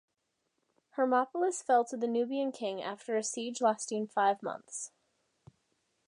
Hermopolis fell to the Nubian king after a siege lasting five months.